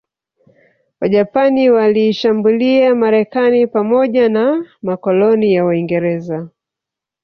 Wajapani waliishambulia Marekani pamoja na makoloni ya Waingereza